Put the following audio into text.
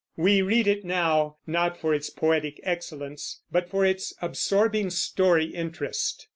We read it now, not for its poetic excellence, but for its absorbing story interest.